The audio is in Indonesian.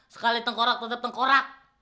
sekali tengkorak tetep tengkorak